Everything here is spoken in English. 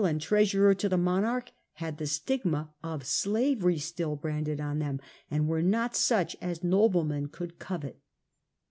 85 treasurer to the monarch had the stigma of slavery still branded on them, and were not such as noblemen could covet.